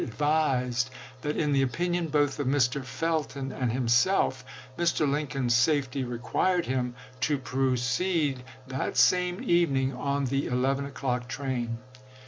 advised that, in the opinion both of Mr. Felton and himself, Mr. Lincoln's safety required him to proceed that same evening on the 11 o'clock train.